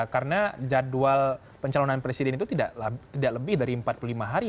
karena jadwal pencalonan presiden itu tidak lebih dari empat puluh lima hari